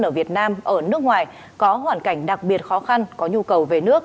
ở việt nam ở nước ngoài có hoàn cảnh đặc biệt khó khăn có nhu cầu về nước